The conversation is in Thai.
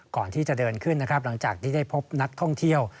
ก่อนที่จะเดินขึ้นนะครับหลังจากที่ได้พบนักท่องเที่ยว